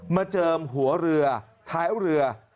เจิมหัวเรือท้ายเรือ